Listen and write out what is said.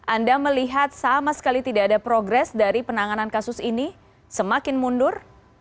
anda melihat sama sekali tidak ada progres dari penanganan kasus ini semakin mundur